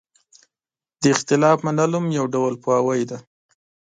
د اختلاف منل هم یو ډول پوهاوی دی.